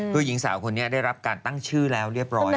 คือหญิงสาวคนนี้ได้รับการตั้งชื่อแล้วเรียบร้อย